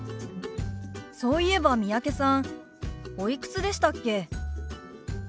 そういえば三宅さんおいくつでしたっけ？